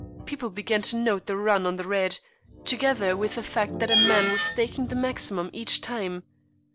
People began to note the run on the red, together with the fact that a man was staking the maximum each time.